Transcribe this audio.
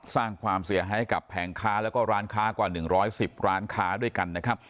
สร้างความเสียหายกับแผงค้าแล้วก็ร้านค้ากว่า๑๑๐ร้านค้าด้วยกันนะครับ